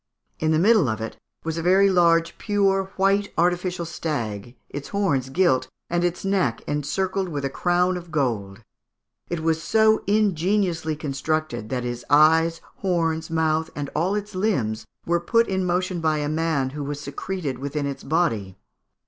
In the middle of it was a very large pure white artificial stag, its horns gilt, and its neck encircled with a crown of gold. It was so ingeniously constructed that its eyes, horns, mouth, and all its limbs, were put in motion by a man who was secreted within its body.